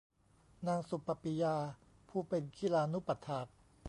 นางสุปปิยา ผู้เป็นคิลานุปัฎฐาก